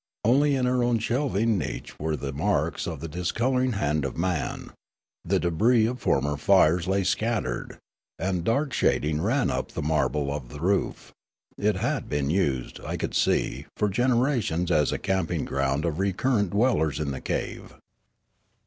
Only in our own shelving niche were there marks of the dis colouring hand of man ; the debris of former fires lay scattered, and dark shading ran up the marble of the roof ; it had been used, I could see, for generations as a camping ground of recurrent dwellers in the cave.